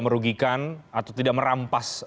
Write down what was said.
merugikan atau tidak merampas